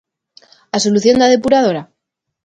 ¿A solución da depuradora?